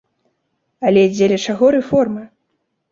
Але дзеля чаго рэформы?